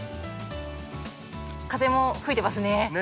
風も吹いてますね。